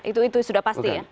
itu sudah pasti ya